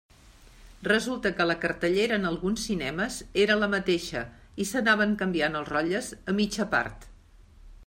Resulta que la cartellera en alguns cinemes era la mateixa, i s'anaven canviant els rotlles a mitja part.